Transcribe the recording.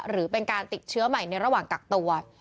หรือเป็นการติดเชื้อใหม่ในระหว่างกักตัว